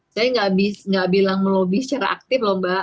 saya nggak bilang melobi secara aktif loh mbak